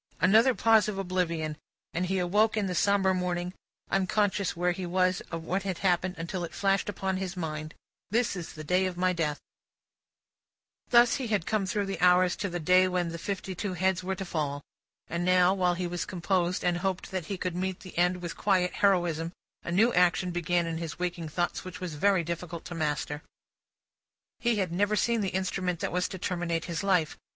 Another pause of oblivion, and he awoke in the sombre morning, unconscious where he was or what had happened, until it flashed upon his mind, "this is the day of my death!" Thus, had he come through the hours, to the day when the fifty two heads were to fall. And now, while he was composed, and hoped that he could meet the end with quiet heroism, a new action began in his waking thoughts, which was very difficult to master. He had never seen the instrument that was to terminate his life.